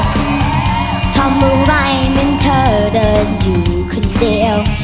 ทำอะไรเหมือนเธอเดินอยู่คนเดียว